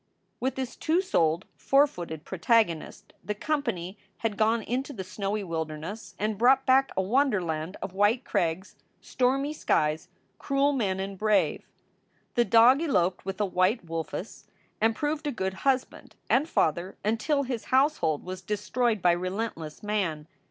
With this two souled, four footed protagonist the com pany had gone into the snowy wilderness and brought back a wonderland of white crags, stormy skies, cruel men and brave. The dog eloped with a white wolf ess, and proved a good husband and father until his household was destroyed by relentless man.